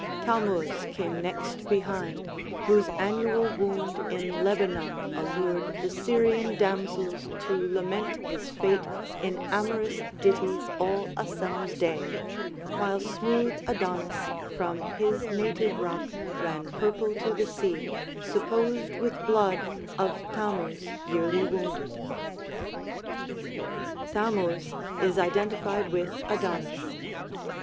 "Thammuz came next behind, Whose annual wound in Lebanon allured The Syrian damsels to lament his fate In amorous ditties all a summer's day, While smooth Adonis from his native rock Ran purple to the sea, supposed with blood Of Thammuz yearly wounded." Thammuz is identified with Adonis.